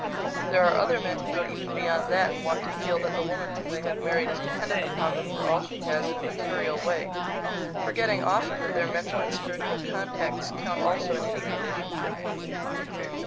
There are other men who go even beyond that and want to feel that the woman whom they have married is dependent upon them for all she has in a material way, forgetting often that their mental and spiritual contacts count also in any relationship.